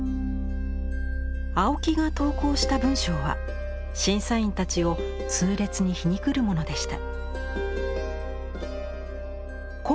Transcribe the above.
青木が投稿した文章は審査員たちを痛烈に皮肉るものでした。